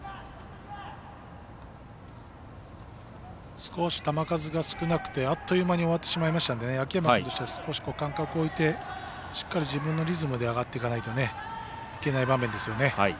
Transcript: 少し球数が少なくてあっという間に終わってしまいましたので秋山君としては少し間隔を置いて自分のリズムで上がっていかないといけない場面ですよね。